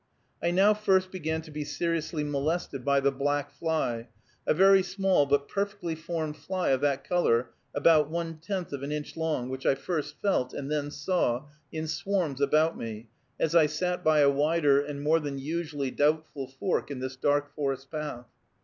I now first began to be seriously molested by the black fly, a very small but perfectly formed fly of that color, about one tenth of an inch long, which I first felt, and then saw, in swarms about me, as I sat by a wider and more than usually doubtful fork in this dark forest path.